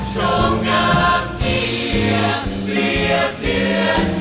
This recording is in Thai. โชคงานเทียบเรื่องเทียบ